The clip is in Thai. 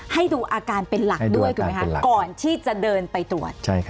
ให้ดูอาการเป็นหลักด้วยถูกไหมคะก่อนที่จะเดินไปตรวจ